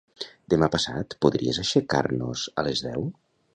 Demà passat podries aixecar-nos a les deu?